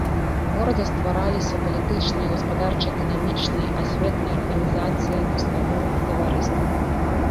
У горадзе ствараліся палітычныя, гаспадарча-эканамічныя, асветныя арганізацыі, установы і таварыствы.